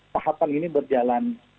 tahapan ini berjalan